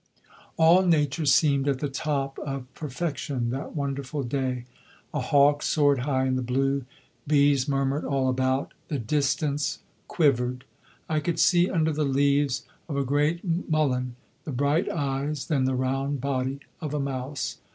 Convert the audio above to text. All nature seemed at the top of perfection that wonderful day. A hawk soared high in the blue, bees murmured all about, the distance quivered. I could see under the leaves of a great mullein the bright eyes, then the round body of a mouse.